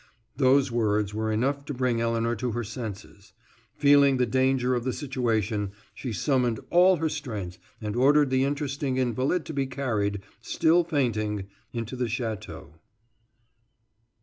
Those few words were enough to bring Elinor to her senses; feeling the danger of the situation, she summoned all her strength and ordered the interesting invalid to be carried, still fainting, into the chateau.